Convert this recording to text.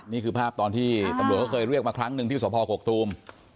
นี่คือภาพตอนที่ตำรวจเขาเคยเรียกมาครั้งหนึ่งที่สพกกตูม